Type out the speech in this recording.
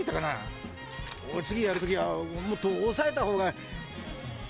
次やる時はもっと抑えた方が。